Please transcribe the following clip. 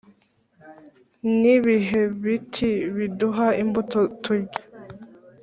ni ibihe biti biduha imbuto turya’